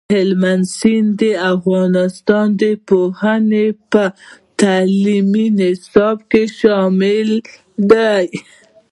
هلمند سیند د افغانستان د پوهنې په تعلیمي نصاب کې شامل دی.